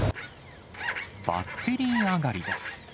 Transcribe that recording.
バッテリー上がりです。